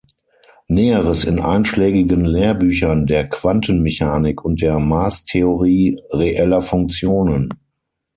Näheres in einschlägigen Lehrbüchern der Quantenmechanik und der Maßtheorie reeller Funktionen.